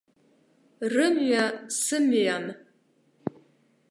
Рымҩа сымҩам.